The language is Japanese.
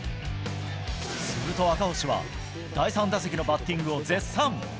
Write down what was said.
すると赤星は、第３打席のバッティングを絶賛。